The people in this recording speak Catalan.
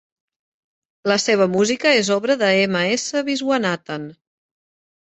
La seva música és obra de M. S. Viswanathan.